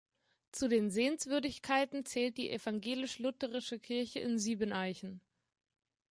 Zu den Sehenswürdigkeiten zählt die evangelisch-lutherische Kirche in Siebeneichen.